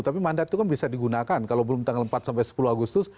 tapi mandat itu kan bisa digunakan kalau belum tanggal empat sampai sepuluh agustus